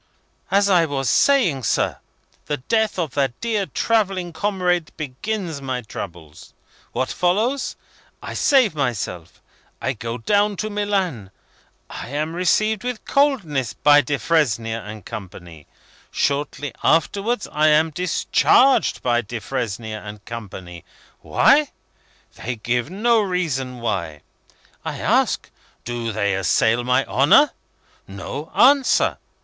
"As I was saying, sir, the death of that dear travelling comrade begins my troubles. What follows? I save myself. I go down to Milan. I am received with coldness by Defresnier and Company. Shortly afterwards, I am discharged by Defresnier and Company. Why? They give no reason why. I ask, do they assail my honour? No answer.